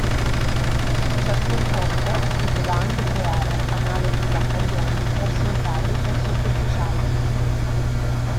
Ciascun fronte doveva anche creare analoghi battaglioni per soldati e sottufficiali.